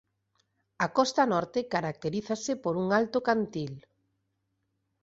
A costa norte caracterízase por un alto cantil.